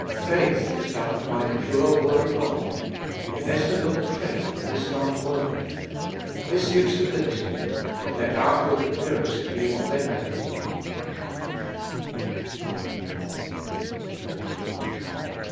Faith is governed by the pure word of God; (inestimable treasure in this dark world!) this gives stability, let outward appearances be what they may.